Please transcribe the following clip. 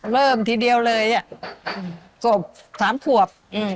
เริ่มทีเดียวเลยสวบ๓ถวบ